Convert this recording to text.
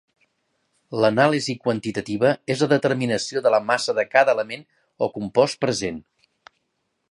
L’anàlisi quantitativa és la determinació de la massa de cada element o compost present.